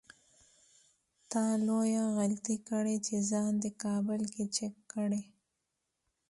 تا لويه غلطي کړې چې ځان دې کابل کې چک کړی.